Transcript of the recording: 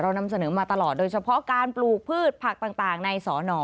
นำเสนอมาตลอดโดยเฉพาะการปลูกพืชผักต่างในสอนอ